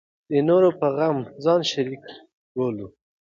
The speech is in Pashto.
د نورو په غم کې ځان شریک بولو.